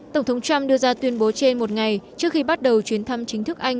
tổng thống trump đưa ra tuyên bố trên một ngày trước khi bắt đầu chuyến thăm chính thức anh